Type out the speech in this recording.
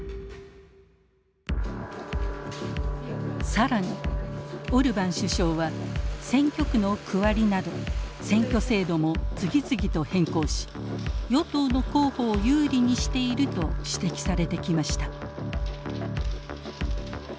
更にオルバン首相は選挙区の区割りなど選挙制度も次々と変更し与党の候補を有利にしていると指摘されてきました。